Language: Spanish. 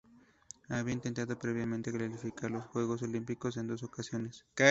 Había intentado previamente calificar para los Juegos Olímpicos en dos ocasiones.